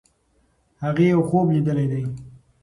هغې یو خوب لیدلی دی.